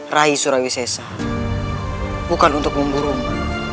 rai surawisesa bukan untuk memburumu